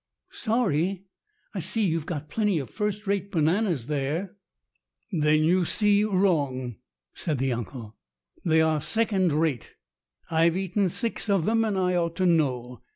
"Sorry. I see you've got plenty of first rate bananas there." 324 EVOLUTION 325 "Then you see wrong," said the uncle. "They are second rate. I've eaten six of them and I ought to know.